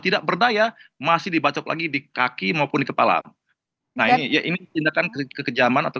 tidak berdaya masih dibacok lagi di kaki maupun di kepala nah ini ya ini tindakan kekejaman atau